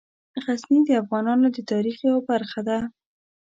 غزني د افغانانو د تاریخ یوه برخه ده.